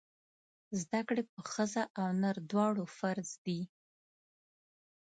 زده کړې په ښځه او نر دواړو فرض دی!